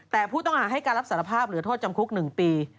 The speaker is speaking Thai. แต่ผู้ต้องหาให้การรับสารภาพเหลือโทษจำคุก๑ปี